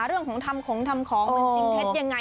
เรื่องของทำของทำของมันจริงเท็จยังไง